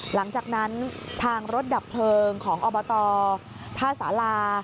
หลังจากนั้นทางรถดับเพลิงของอบตท่าสารา